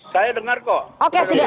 saya dengar kok